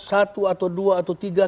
satu atau dua atau tiga